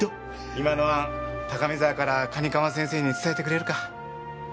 今の案高見沢から蟹釜先生に伝えてくれるか？